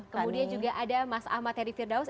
kemudian juga ada mas ahmad heri firdaus